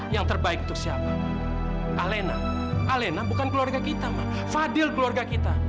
yang terbaik untuk siapa ma alena alena bukan keluarga kita ma fadl keluarga kita